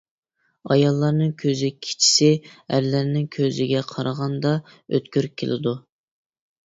ئاياللارنىڭ كۆزى كېچىسى ئەرلەرنىڭ كۆزىگە قارىغاندا ئۆتكۈر كېلىدۇ.